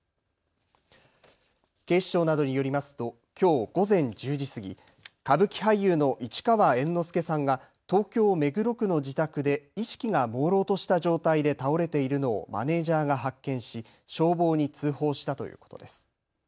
警視庁などによりますときょう午前１０時過ぎ、歌舞伎俳優の市川猿之助さんが東京目黒区の自宅で意識がもうろうとした状態で倒れているのをマネージャーが発見し消防に通報したということです。